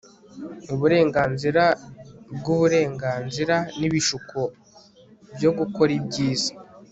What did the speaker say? Uburenganzira bwuburenganzira nibishuko byo gukora ibyiza